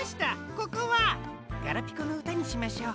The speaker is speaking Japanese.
ここはガラピコのうたにしましょう。